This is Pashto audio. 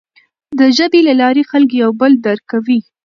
د ژبې له لارې خلک یو بل درک کوي.